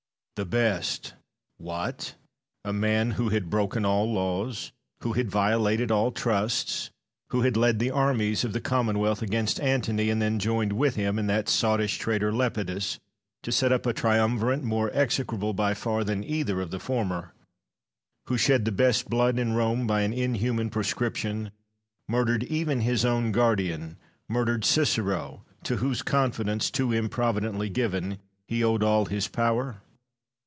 Cato. The best! What! a man who had broken all laws, who had violated all trusts, who had led the armies of the Commonwealth against Antony, and then joined with him and that sottish traitor Lepidus, to set up a triumvirate more execrable by far than either of the former; who shed the best blood in Rome by an inhuman proscription, murdered even his own guardian, murdered Cicero, to whose confidence, too improvidently given, he owed all his power?